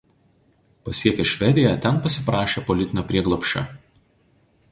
Pasiekęs Švediją ten pasiprašė politinio prieglobsčio.